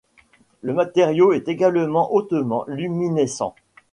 Le matériau est également hautement luminescent.